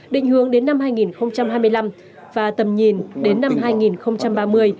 định hướng đến năm hai nghìn hai mươi năm và tầm nhìn đến năm hai nghìn ba mươi